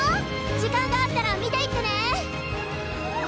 時間があったら見ていってね！